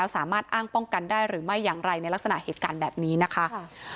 สามารถอ้างป้องกันได้หรือไม่อย่างไรในลักษณะเหตุการณ์แบบนี้นะคะ